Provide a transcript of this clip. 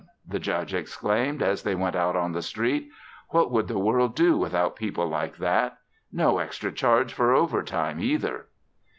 the Judge exclaimed as they went out on the street. "What would the world do without people like that? No extra charge for overtime either."